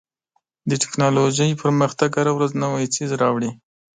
د ټکنالوژۍ پرمختګ هره ورځ نوی څیز راوړي.